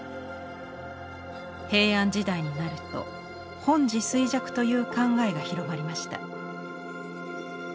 平安時代になると「本地垂迹」という考えが広まりました。